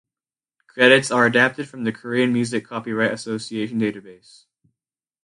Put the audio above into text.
Credits are adapted from the Korean Music Copyright Association database.